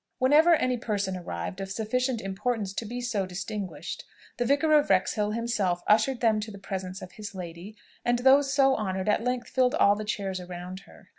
Whenever any person arrived of sufficient importance to be so distinguished, the Vicar of Wrexhill himself ushered them to the presence of his lady, and those so honoured at length filled all the chairs around her.